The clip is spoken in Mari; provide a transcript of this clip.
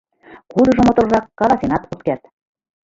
Кудыжо моторрак, каласенат от керт.